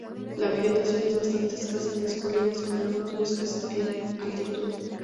La vegetación es bastante escasa en las colinas, con algunos bosques en altitud.